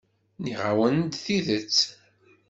Nniɣ-awen-d tidet.